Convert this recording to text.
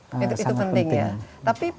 sangat penting itu penting ya tapi